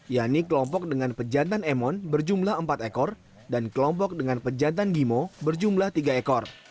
yakni kelompok dengan pejantan emon berjumlah empat ekor dan kelompok dengan pejantan gimo berjumlah tiga ekor